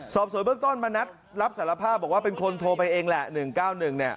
สอบสวยเบื้อกต้นมณัฏรับสารภาพบอกว่าเป็นคนโทรไปเองแหละ